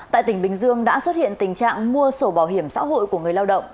tại tỉnh bình dương đã xuất hiện tình trạng mua sổ bảo hiểm xã hội của người lao động